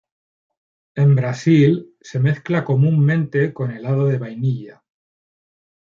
En Brasil, se mezcla comúnmente con helado de vainilla.